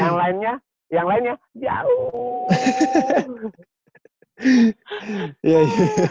yang lainnya yang lainnya jauh